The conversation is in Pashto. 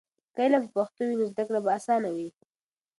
که علم په پښتو وي، نو زده کړه به اسانه وي.